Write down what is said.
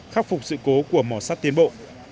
khắc phục sự cố của mò sắt tiến bộ